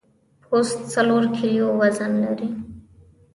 پوست څلور کیلو وزن لري.